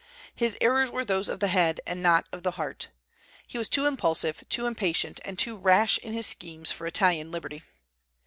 His errors were those of the head and not of the heart. He was too impulsive, too impatient, and too rash in his schemes for Italian liberty.